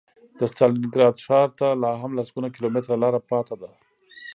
د ستالینګراډ ښار ته لا هم لسګونه کیلومتره لاره پاتې وه